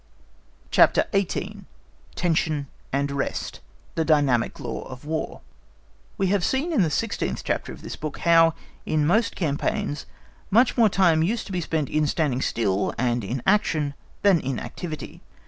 CHAPTER XVIII. Tension and Rest The Dynamic Law of War We have seen in the sixteenth chapter of this book, how, in most campaigns, much more time used to be spent in standing still and inaction than in activity.